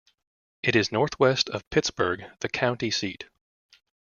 It is northwest of Pittsburg, the county seat.